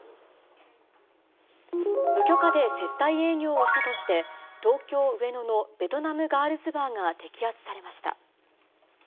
無許可で接待営業をしたとして、東京・上野のベトナムガールズバーが摘発されました。